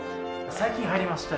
最近入りました。